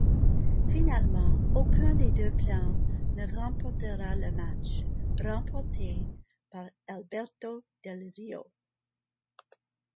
Finalement, aucun des deux clan ne remportera le match, remporté par Alberto Del Rio.